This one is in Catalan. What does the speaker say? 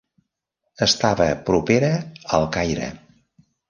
Estava propera al Caire.